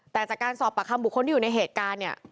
แต่จากการสอบปากคำบุคคลที่อยู่ในเหตุการณ์เนี่ย